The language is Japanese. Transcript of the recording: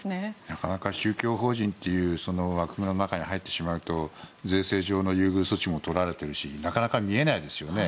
なかなか宗教法人という枠の中に入ってしまうと税制上の優遇措置もとられてるしなかなか見えないですよね。